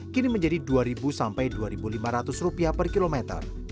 kini menjadi rp dua sampai rp dua lima ratus per kilometer